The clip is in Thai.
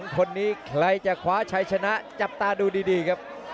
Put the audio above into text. คนนี้ใครจะคว้าชัยชนะจับตาดูดีครับ